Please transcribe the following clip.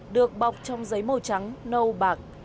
được bọc trong giấy màu trắng nâu bạc